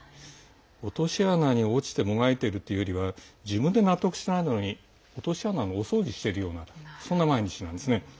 落とし穴に落ちてもがいているというよりは自分で納得していないのに落とし穴の掃除をしているようなそんな毎日なんですね。